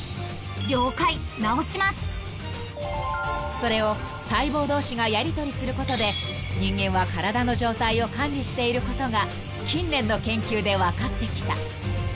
［それを細胞同士がやりとりすることで人間は体の状態を管理していることが近年の研究で分かってきた］